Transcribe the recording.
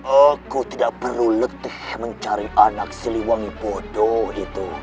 aku tidak perlu letih mencari anak siliwangi bodoh itu